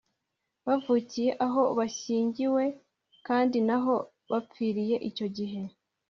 bavukiye aho bashyingiwe kandi naho bapfiriye icyo gihe